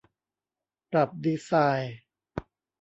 ปรับดีไซน์